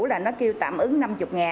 là nó kêu tạm ứng năm mươi